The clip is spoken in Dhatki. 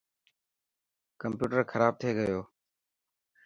ڪمپيوٽر کراب ٿي گيو.